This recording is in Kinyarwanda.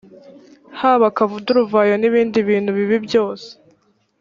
haba akaduruvayo n’ibindi bintu bibi byose